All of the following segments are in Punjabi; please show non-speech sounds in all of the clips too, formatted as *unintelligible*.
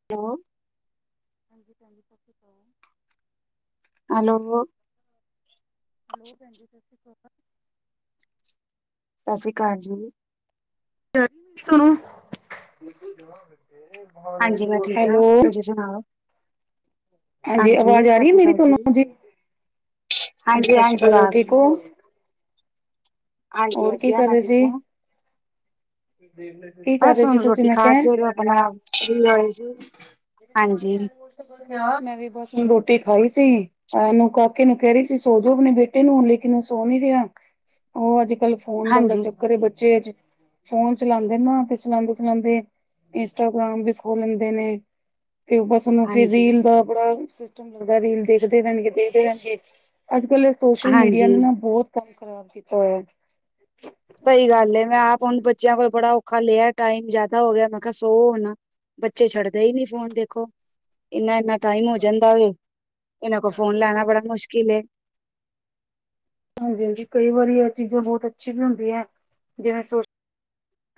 *inaudible* ਹਾਂਜੀ, *unintelligible* *inaudible* ਭੈਜੀ ਸਸੀ ਕੋ ਹੈਲੋ। ਹੈਲੋ, ਭੈਣਜੀ। ਸਤਿ ਸ਼੍ਰੀ ਅਕਾਲ। ਸਤਿ ਸ਼੍ਰੀ ਅਕਾਲ ਜੀ। *inaudible* ਹਾਂਜੀ, ਮੈਂ ਠੀਕ ਹਾਂ। ਹੈਲੋ ਤੁਸੀਂ ਸੁਣਾਓ? ਹਾਂਜੀ ਆਵਾਜ਼ ਆ ਸਤਿ ਰਹੀ ਐ ਸ੍ਰੀ ਮੇਰੀ ਅਕਾਲ ਤੁਹਾਨੂੰ ਜੀ। ਹਾਂਜੀ, ਸਤਿ ਸ੍ਰੀ ਅਕਾਲ। ਹੋਰ ਆ ਰਹੀ ਠੀਕ ਓ। ਹੈ। ਹਾਂਜੀ ਹੋਰ, ਕੀ ਵਧੀਆ ਕਰ ਮੈਂ ਰਹੇ ਠੀਕ ਸੀ। ਹਾਂ, ਕੀ ਕਰ ਰਹੇ ਸੀ, ਤੁਸੀਂ ਮੈਂ ਕਿਹਾ। ਬਣਾ ਸੀ ਹੋਈ ਸੀ *inaudible* ਤੂੰ ਆਈ ਹਾਂਜੀ, ਹੈਂਡ ਵਾਸ਼ ਤਾ ਕਰਕੇ ਆ ਮੈਂ ਵੀ ਬਸ ਰੋਟੀ ਖਾਈ ਸੀ। ਹ ਨੂੰ ਕਾਕੇ ਨੂੰ ਕਹਿ ਰਹੀ ਸੀ, ਸੋ ਜੋੋ ਆਪਣੇ ਬੇਟੇ ਨੂੰ ਹੁਣ ਲੇਕਿਨ ਉਹ ਸੋ ਨੀ ਰਿਹਾ। ਉਹ ਅੱਜ ਕੱਲ ਫੋਨ ਦਾ ਬੜਾ ਹਾਂਜੀ, ਚੱਕਰ ਹੈ ਬੱਚੇ ਅੱਜ। ਫੋਨ ਚਲਾਉਂਦੇ ਨਾ ਤੇ ਫੇਰ ਚਲਾਂਦੇ ਚਲਾਂਦੇ ਇੰਸਟਾਗ੍ਰਾਮ ਵੀ ਖੋਲ ਲੈਂਦੇ ਨੇ। ਤੇ ਬਸ ਉਹਨੂੰ ਫੇਰ ਹਾਂਜੀ, ਰੀਲ ਦਾ। ਬੜਾ ਸਿਸਟਮ ਲੱਗਦਾ ਰੀਲ ਦੇਖਦੇ ਰਹਿਣਗੇ ਦੇਖਦੇ ਰਹਿਣਗੇ ਅੱਜ ਕੱਲ। ਸੋਸ਼ਲ ਮੀਡੀਆ ਨੇ ਹਾਂਜੀ। ਨਾ ਬਹੁਤ ਕੰਮ ਖ਼ਰਾਬ ਕੀਤਾ ਹੋਇਆ। ਸਹੀ ਗੱਲ ਏ ਮੈਂ ਆਪ ਹੁਣ ਬੱਚਿਆਂ ਕੋਲੋਂ ਬੜਾ ਔਖਾ ਲਿਆ ਟਾਈਮ ਜਿਆਦਾ ਹੋ ਗਿਆ ਮੈਂ ਕਿਹਾ ਸੌ ਹੁਣ। ਬੱਚੇ ਛੱਡਦੇ ਹੀ ਨੀ ਫੋਨ ਦੇਖੋ। ਇਨਾਂ ਇਨਾਂ ਹਾਂਜੀ ਟਾਈਮ ਹੋ ਜਾਂਦਾ ਵੇ ਇਹਨਾਂ ਕੋਲੋਂ ਫੋਨ ਲੈਣਾ ਬੜਾ ਮੁਸ਼ਕਿਲ ਏ। ਹਾਂਜੀ, ਹਾਂਜੀ ਕਈ ਵਾਰੀ ਇਹ ਚੀਜ਼ਾਂ ਬਹੁਤ ਅੱਛੀ ਵੀ ਹੁੰਦੀ ਹੈ ਜਿਵੇਂ।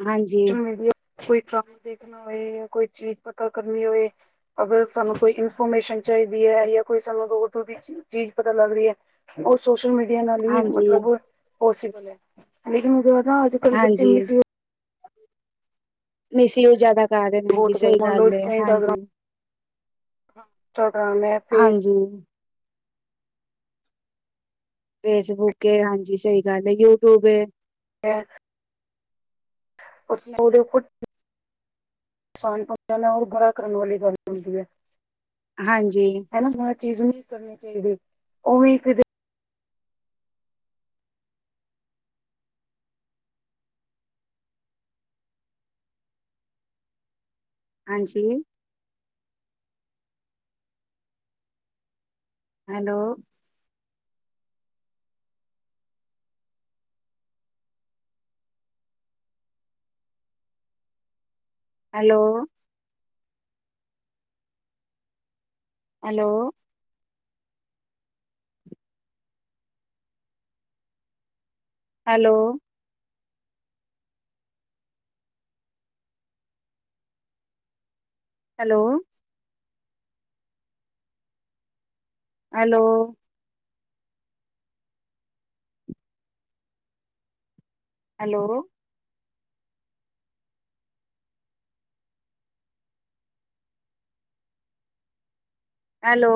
ਹਾਂਜੀ, ਸੋਚੋ ਮੇਰੇ ਲਈ ਵੀ ਕੋਈ ਕੰਮ ਦੇਖਣਾ ਹੋਏ ਜਾਂ ਕੋਈ ਚੀਜ਼ ਪਤਾ ਕਰਨੀ ਹੋਏ। ਅਗਰ ਸਾਨੂੰ ਕੋਈ ਇਨਫੋਰਮੇਸ਼ਨ ਚਾਹੀਦੀ ਹੈ ਜਾਂ ਕੋਈ ਸਾਨੂੰ ਦੂਰ ਦੂਰ ਦੀ ਚੀਜ਼ ਪਤਾ ਲੱਗ ਰਹੀ ਹੈ। ਉਹ ਸੋਸ਼ਲ ਮੀਡੀਆ ਨਾਲ ਹੀ ਹਾਂਜੀ, ਮਤਲਬ ਉਹ ਸਿੱਖਦਾ। ਨਹੀਂ ਤੈਨੂੰ ਤਾਂ ਪਤਾ ਅੱਜ ਕੱਲ੍ਹ ਬੱਚੇ। ਹਾਂਜੀ। ਮਿਸਯੂਜ ਜਿਆਦਾ ਕਰ ਰਹੇ ਨੇ ਹਾਂਜੀ ਬਹੁਤ ਕਰ ਸਹੀ ਮੰਨ ਲਓ ਗੱਲ ਏ ਹਾਂਜੀ। ਮੈ ਤੇ ਜੀ। ਫੇਸਬੁੱਕ ਏ ਹਾਂਜੀ ਸਹੀ ਗੱਲ ਏ ਯੂਟਿਊਬ ਏ। ਤੇ। ਅਸੀਂ ਉਹਦੇ ਉੱਪਰ। ਨੁਕਸਾਨ ਪਹੁੰਚਾਉਣਾ ਉਹ ਬੜਾ ਕਰਨ ਵਾਲੀ ਗੱਲ ਹੁੰਦੀ ਹੈ। ਹਾਂਜੀ। ਹਨਾ ਹਰ ਚੀਜ਼ ਨਹੀਂ ਕਰਨੀ ਚਾਹੀਦੀ ਉਵੇਂ ਫਿਰ। ਹਾਂਜੀ। Hello. Hello. Hello. Hello. Hello. Hello. Hello. Hello.